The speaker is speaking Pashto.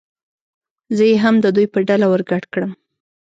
زه یې هم د دوی په ډله ور ګډ کړم.